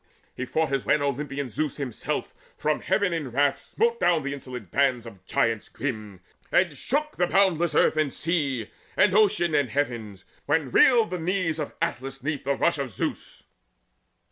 He fought as when Olympian Zeus himself From heaven in wrath smote down the insolent bands Of giants grim, and shook the boundless earth, And sea, and ocean, and the heavens, when reeled The knees of Atlas neath the rush of Zeus.